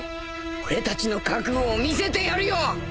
俺たちの覚悟を見せてやるよ！